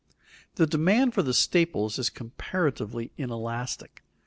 The demand for the staples is comparatively inelastic.